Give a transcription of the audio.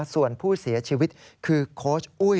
ส่วนผู้เสียชีวิตคือโค้ชอุ้ย